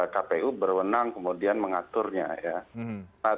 kpu berwenang kemudian mengaturnya ya